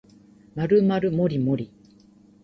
まるまるもりもり